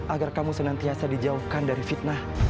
agar kamu senantiasa dijauhkan dari fitnah